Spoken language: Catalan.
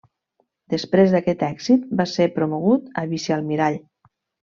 Després d'aquest èxit, va ser promogut a vicealmirall.